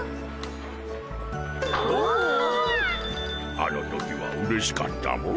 あの時はうれしかったモ。